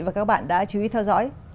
và các bạn đã chú ý theo dõi